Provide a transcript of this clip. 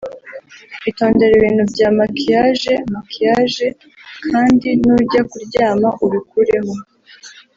Itondere ibintu bya makiyaje(Maquillage)kandi nujya kuryama ubikureho